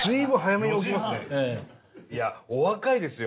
いやお若いですよ